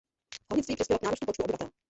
Hornictví přispělo k nárůstu počtu obyvatel.